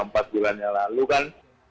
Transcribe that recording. empat bulan yang lalu kan